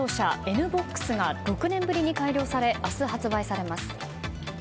Ｎ‐ＢＯＸが６年ぶりに改良され明日、発売されます。